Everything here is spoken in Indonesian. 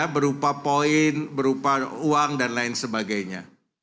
berupa poin berupa uang dan lain sebagainya